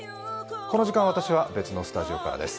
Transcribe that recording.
この時間、私は別のスタジオからです。